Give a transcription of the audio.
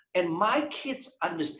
dan anak anak saya mengerti